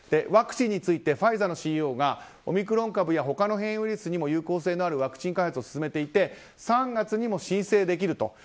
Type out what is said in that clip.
ワクチンについてファイザーのＣＥＯがオミクロン株やほかの変異ウイルスにも有効性のあるワクチン開発を進めていて３月にも申請できると。